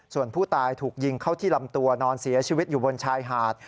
ส่วนผู้ตายถูกยิงเข้าที่ลำตัวนอนเสียชีวิตอยู่บนชายหาด